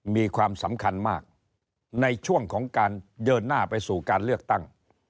มีความสำคัญมากในช่วงของการเดินหน้าไปสู่การเลือกตั้ง